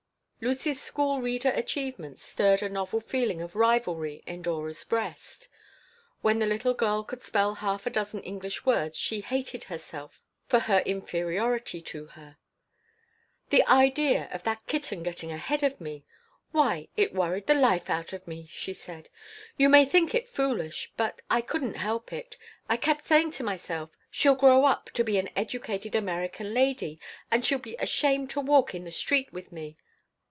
Lucy's school reader achievements stirred a novel feeling of rivalry in Dora's breast. When the little girl could spell half a dozen English words she hated herself for her inferiority to her "The idea of that kitten getting ahead of me! Why, it worried the life out of me!" she said. "You may think it foolish, but I couldn't help it. I kept saying to myself, 'She'll grow up and be an educated American lady and she'll be ashamed to walk in the street with me.'